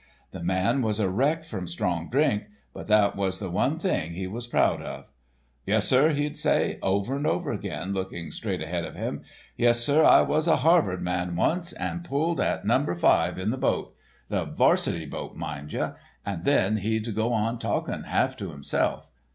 The man was a wreck from strong drink, but that was the one thing he was proud of. "'Yes, sir,' he'd say, over and over again, looking straight ahead of him, 'Yes, sir, I was a Harvard man once, and pulled at number five in the boat'—the 'varsity boat, mind ye; and then he'd go on talking half to himself.